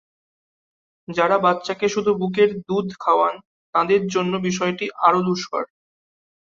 যারা বাচ্চাকে শুধু বুকের দুধ খাওয়ান, তাঁদের জন্য বিষয়টি আরও দুষ্কর।